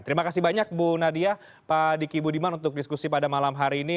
terima kasih banyak bu nadia pak diki budiman untuk diskusi pada malam hari ini